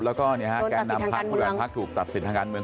แล้วก็แก้นำพักถูกตัดสินทางการเมือง